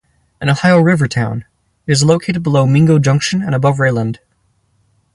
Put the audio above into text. An Ohio River town, it is located below Mingo Junction and above Rayland.